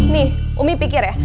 nih umi pikir ya